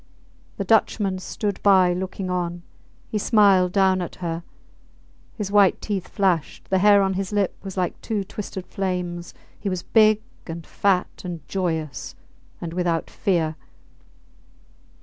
The Dutchman stood by looking on; he smiled down at her; his white teeth flashed; the hair on his lip was like two twisted flames. He was big and fat, and joyous, and without fear.